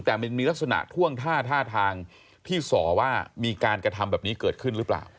แต่มันมีลักษณะท่วงท่าท่าทางที่สอว่ามีการกระทำแบบนี้เกิดขึ้นหรือเปล่า